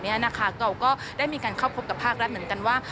เราก็ได้มีการเข้าพบกับภาครัฐเหมือนกันว่า